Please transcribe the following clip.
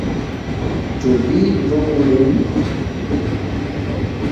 Ĉu mi voku lin?